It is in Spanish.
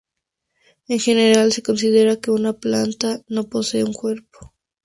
En general se considera que una planta no posee un cuerpo.